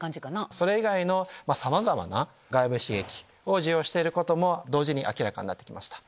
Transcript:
それ以外のさまざまな外部刺激を受容していることも同時に明らかになって来ました。